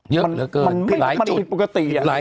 เยอะเหลือเกินผิดปกติ